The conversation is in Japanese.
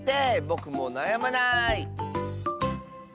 ぼくもうなやまない！